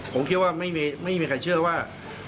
ผมคิดว่าไม่มีใครเชื่อว่า